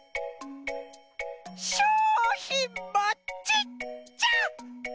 しょうひんもちっちゃ！